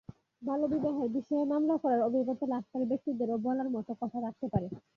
বাল্যবিবাহের বিষয়ে মামলা করার অভিজ্ঞতা লাভকারী ব্যক্তিদেরও বলার মতো কথা থাকতে পারে।